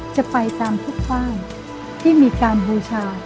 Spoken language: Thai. จะไปตามทุกบ้านที่มีการบูชา